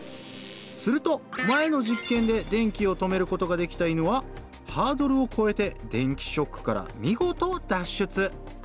すると前の実験で電気を止めることができた犬はハードルをこえて電気ショックからみごと脱出！